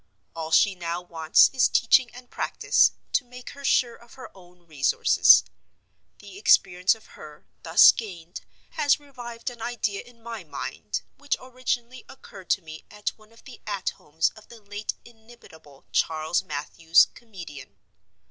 All she now wants is teaching and practice, to make her sure of her own resources. The experience of her, thus gained, has revived an idea in my mind which originally occurred to me at one of the "At Homes" of the late inimitable Charles Mathews, comedian.